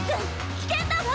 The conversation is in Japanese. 危険だわ！